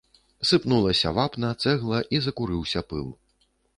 Сыпнулася вапна, цэгла, і закурыўся пыл.